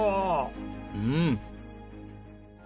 うん。